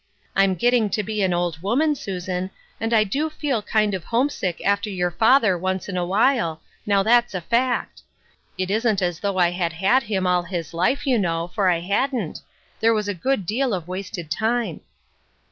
I'm getting to be an old woman, Susan, and I do feel kind of home sick after your father once in a while, now that's a fact ; it isn't as though I had had him all his life, you know, for I hadn't ; there was a good deal of wasted time."